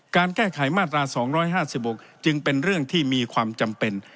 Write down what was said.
การแก้ไขมาตรา๒๕๖จึงเป็นเรื่องที่มีความจำเป็น